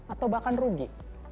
atau bahkan rugi